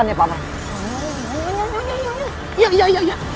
kenapa saya tidak bisa melihatnya